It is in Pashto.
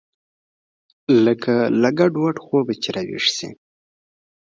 لکه له ګډوډ خوبه چې راويښ سې.